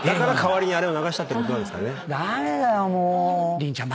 凛ちゃん